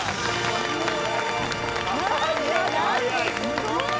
すごい！